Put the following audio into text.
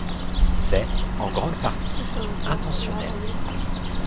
C'est, en grande partie, intentionnel.